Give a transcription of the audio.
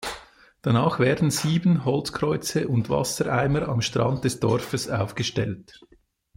Danach werden sieben Holzkreuze und Wassereimer am Strand des Dorfes aufgestellt.